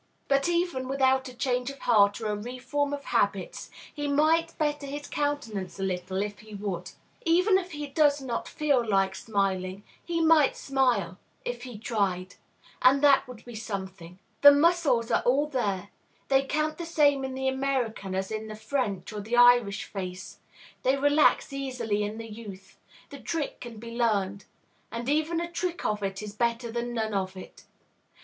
But, even without a change of heart or a reform of habits, he might better his countenance a little, if he would. Even if he does not feel like smiling, he might smile, if he tried; and that would be something. The muscles are all there; they count the same in the American as in the French or the Irish face; they relax easily in youth; the trick can be learned. And even a trick of it is better than none of it.